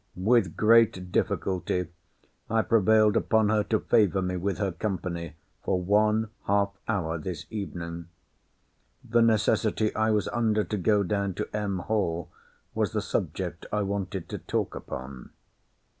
With great difficulty I prevailed upon her to favour me with her company for one half hour this evening. The necessity I was under to go down to M. Hall was the subject I wanted to talk upon.